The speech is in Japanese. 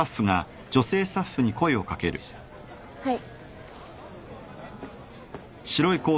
はい。